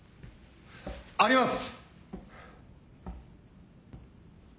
あります！